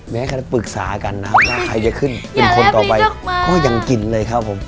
แม้เขาจะปรึกษากันนะครับว่าใครจะขึ้นเป็นคนต่อไปก็ยังกินเลยครับผม